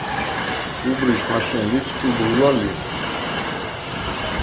ჭუბრიშ მაშენ ლიც ჭუბრულა ლი.